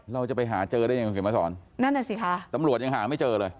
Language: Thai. เราจะไปหาเจอได้ยังไงคุณเขียนมาสอนนั่นน่ะสิคะตำรวจยังหาไม่เจอเลย